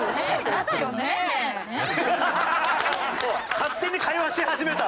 勝手に会話し始めたわ。